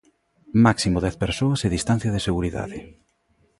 Máximo dez persoas e distancia de seguridade.